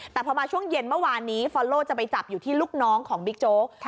แต่พอมาช่วงเย็นเมื่อวานนี้ฟอลโลจะไปจับอยู่ที่ลูกน้องของบิ๊กโจ๊ก